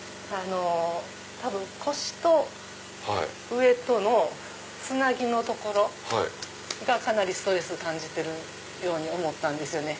多分腰と上とのつなぎの所がかなりストレス感じてるように思ったんですよね。